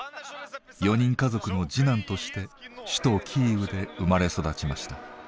４人家族の次男として首都キーウで生まれ育ちました。